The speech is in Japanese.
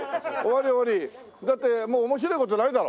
だってもう面白い事ないだろ？